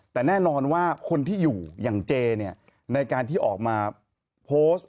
แต่แน่นอนว่าคนที่อยู่อย่างเจเนี่ยในการที่ออกมาโพสต์